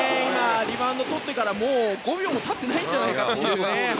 リバウンド取ってから５秒もたってないんじゃないかな。